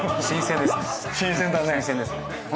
新鮮ですね。